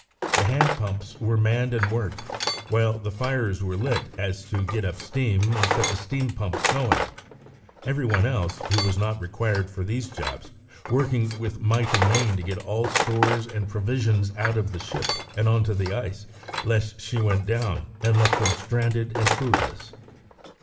The hand pumps were manned and worked, while the fires were lit so as to get up steam and set the steam pumps going, every one else, who was not required for these jobs, working with might and main to get all stores and provisions out of the ship and on to the ice, lest she went down and left them stranded and foodless.